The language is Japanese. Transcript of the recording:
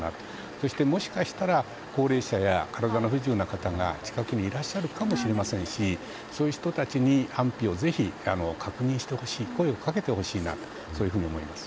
そして、もしかしたら高齢者や体の不自由な方が近くにいらっしゃるかもしれませんしそういう人たちに安否をぜひ確認してほしい声をかけてほしいなと思います。